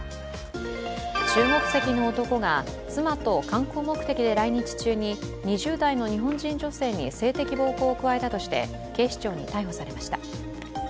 中国籍の男が妻と観光目的で来日中に２０代の日本人女性に性的暴行を加えたとして警視庁に逮捕されました。